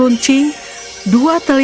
suatu carrie pelan pelan mulut